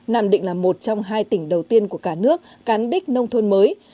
nam định là một trong hai tỉnh đầu tiên của cả nước cán đích nông thôn mới